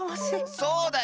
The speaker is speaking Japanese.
そうだよ！